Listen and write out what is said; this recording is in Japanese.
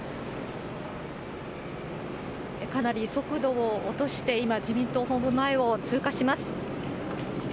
かなり速度を落として、今、自民党本部前を通過します。